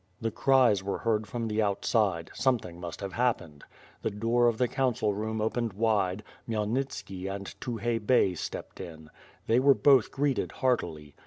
Then cries were heard from the outside; something must have happened. The door of the council room opened wide; Khmyelnitski and Tukhay Bey stepped in. They were both greeted heartily.